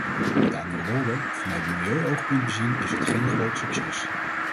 Met andere woorden: vanuit milieuoogpunt bezien is het geen groot succes.